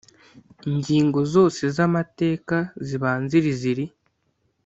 Ingingo zose z amateka zibanziriza iri